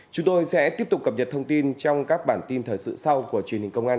chúng tôi sẽ tiếp tục cập nhật thông tin trong các bản tin thời sự sau của truyền hình công an